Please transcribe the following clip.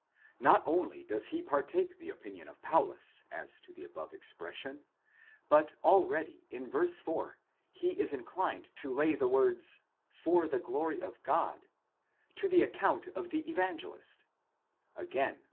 Not only does he partake the opinion of Paulus as to the above expression, but already in v. 4, he is inclined to lay the words ὑπὲρ τῆς δόξης τοῦ θεοῦ for the glory of God, to the account of the Evangelist: again v.